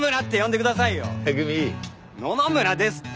野々村ですって。